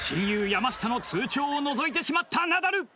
山下の通帳を覗いてしまったナダル！